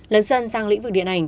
lần dần giang lĩnh vực điện ảnh